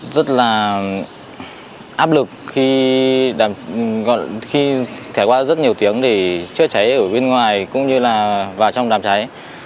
rất là áp lực khi thảy qua rất nhiều tiếng để chữa cháy ở bên ngoài cũng như là vào trong đàm cháy